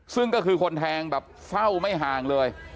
ซึ่งก็คือคนแทงแบบเฝ้าไม่ห่างเลย